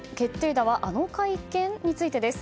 打はあの会見？についてです。